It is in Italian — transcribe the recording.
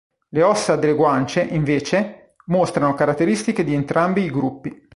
Le ossa delle guance, invece, mostrano caratteristiche di entrambi i gruppi.